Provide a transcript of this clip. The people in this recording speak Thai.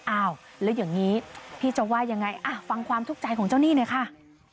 อ้าวแล้วอย่างนี้พี่จะว่ายังไงฟังความทุกข์ใจของเจ้าหนี้หน่อยค่ะ